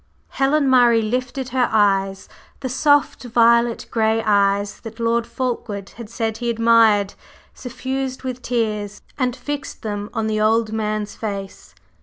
Helen Murray lifted her eyes the soft, violet gray eyes that Lord Fulkeward had said he admired suffused with tears, and fixed them on the old man's face.